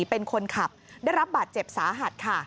เป็นคนขับได้รับบาดเจ็บสาหัสค่ะ